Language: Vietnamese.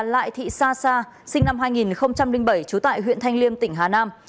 lại thị sa sa sinh năm hai nghìn bảy trú tại huyện thanh liêm tỉnh hà nam